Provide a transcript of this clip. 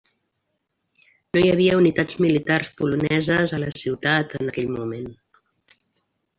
No hi havia unitats militars poloneses a la ciutat en aquell moment.